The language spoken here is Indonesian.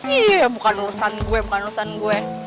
iya bukan urusan gue bukan urusan gue